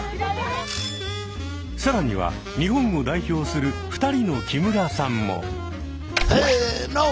更には日本を代表する２人の木村さんも。せの。